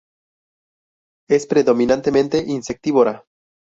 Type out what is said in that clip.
Es predominantemente insectívora.